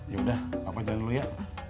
yaudah papa jalan dulu ya